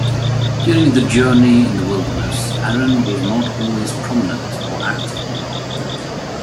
During the journey in the wilderness, Aaron was not always prominent or active.